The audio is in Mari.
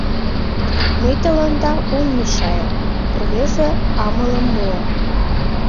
— Мый тыланда ом мешае? — рвезе амалым муо.